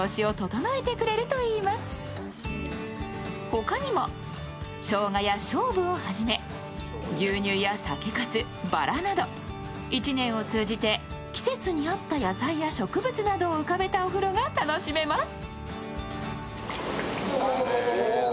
他にもしょうがやしょうぶをはじめ、牛乳や酒かす、ばらなど１年を通じて季節に合った野菜や植物などを浮かべたお風呂が楽しめます。